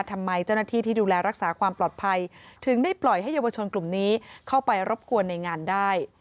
ทำไมเจ้าหน้าที่ที่ดูแลรักษาความปลอดภัยถึงได้ปล่อยให้เยาวชนกลุ่มนี้เข้าไปรบกวนในงานได้